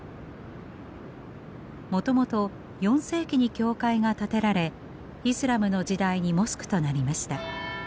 もともと４世紀に教会が建てられイスラムの時代にモスクとなりました。